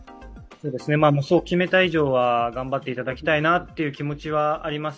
そう決めた以上は頑張っていただきたいなという気持ちはあります。